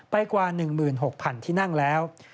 กว่า๑๖๐๐๐ที่นั่งแล้ว